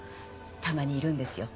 たまにいるんですよ。